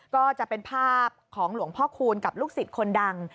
ก็จะเป็นภาพของหลวงพ่อคูณกับลูกศิษย์คนดัง